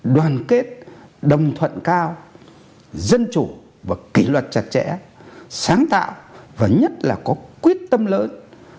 đoàn kết đồng thuận cao dân chủ và kỷ luật chặt chẽ sáng tạo và nhất là có quyết tâm lớn